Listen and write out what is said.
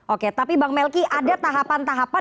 oke tapi bang melki ada tahapan tahapan